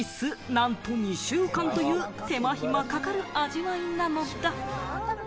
なんと２週間という、手間暇がかかる味わいなのだ。